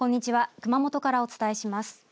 熊本からお伝えします。